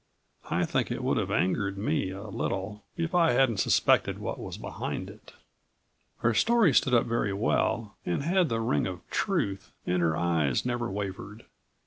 I think it would have angered me a little, if I hadn't suspected what was behind it. Her story stood up very well and had the ring of truth and her eyes never wavered.